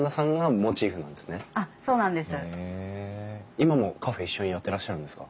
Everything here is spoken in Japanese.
今もカフェ一緒にやってらっしゃるんですか？